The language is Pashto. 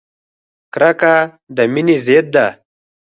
کرکه د مینې ضد ده!